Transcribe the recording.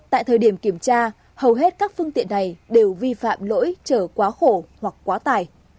tại thời điểm kiểm tra hầu hết các phương tiện này đều vi phạm lỗi chở quá khổ hoặc quá tải